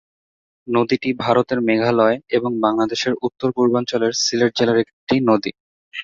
নদীটি ভারতের মেঘালয় এবং বাংলাদেশের উত্তর-পূর্বাঞ্চলের সিলেট জেলার একটি নদী।